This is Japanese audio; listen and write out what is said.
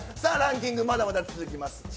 ランキング、まだまだ続きます。